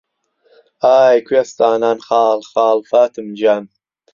ئای کوێستانان خاڵ خاڵ فاتم گیان